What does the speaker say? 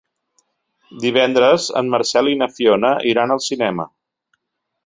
Divendres en Marcel i na Fiona iran al cinema.